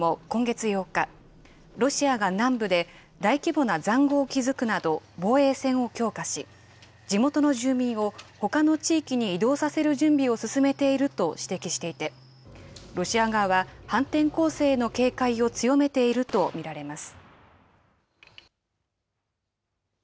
ウクライナ軍の参謀本部も今月８日、ロシアが南部で大規模なざんごうを築くなど防衛線を強化し、地元の住民をほかの地域に移動させる準備を進めていると指摘していて、ロシア側は、反転攻勢への警戒を強めていると見られます。